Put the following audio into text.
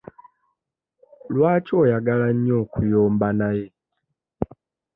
Lwaki oyagala nnyo okuyomba naye?